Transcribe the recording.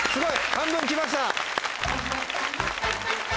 半分きました！